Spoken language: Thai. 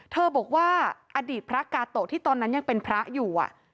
เธอบอกว่าอดีตพระกาโตะที่ตอนนั้นยังเป็นพระอยู่